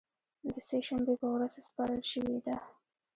د سې شنبې په ورځ سپارل شوې ده